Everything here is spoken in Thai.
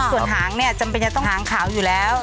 ส่วนหางเนี่ยจำเป็นจะต้องหางขาวอยู่แล้ว